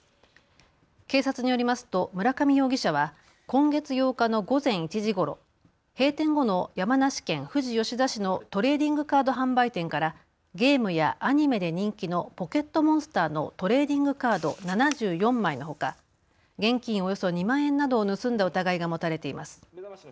警察によりますと村上容疑者は今月８日の午前１時ごろ閉店後の山梨県富士吉田市のトレーディングカード販売店からゲームやアニメで人気のポケットモンスターのトレーディングカード７４枚のほか、現金およそ２万円などを盗んだ疑いが持たれています。